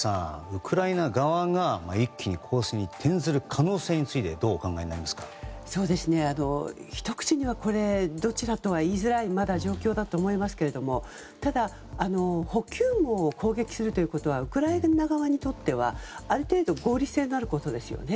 ウクライナ側が一気に攻勢に転ずる可能性についてひと口にはまだどちらとは言いづらい状況だと思いますけどただ、補給網を攻撃するということはウクライナ側にとってはある程度合理性のあることですよね。